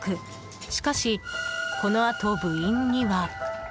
しかし、このあと部員には。